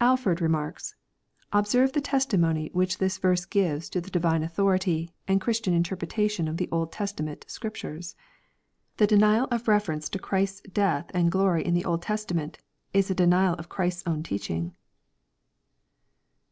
Alford remarks, " Observe the testimony which this verse gives to the divine authority, and Christian interpretation of the Old Testament Scriptures. The denial of reference to Christ's death and glory in the Old Testament, is a denial of Christ's own teach mg.